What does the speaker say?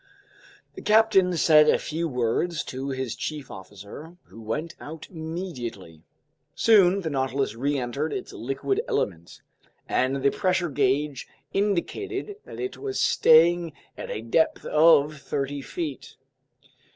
The captain said a few words to his chief officer who went out immediately. Soon the Nautilus reentered its liquid element, and the pressure gauge indicated that it was staying at a depth of thirty feet.